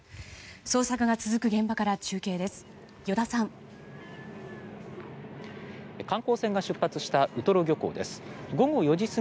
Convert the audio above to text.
捜索が続く現場から中継です。